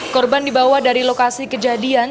korban dibawa dari lokasi kejadian